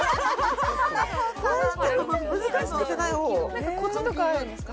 何かコツとかあるんですか？